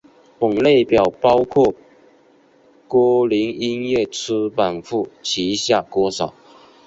本列表包括歌林音乐出版部旗下歌手。